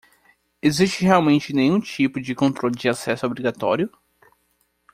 Existe realmente nenhum tipo de controle de acesso obrigatório?